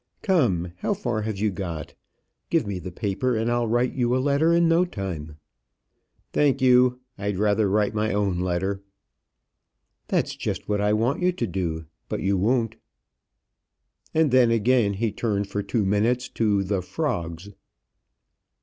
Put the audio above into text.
Come; how far have you got? Give me the paper, and I'll write you a letter in no time." "Thank you; I'd rather write my own letter." "That's just what I want you to do, but you won't;" and then again he turned for two minutes to the "Frogs."